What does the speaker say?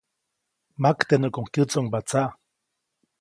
Maktenuʼkuŋ kyätsoʼŋba tsaʼ.